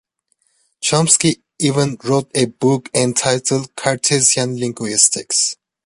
Chomsky even wrote a book entitled "Cartesian Linguistics".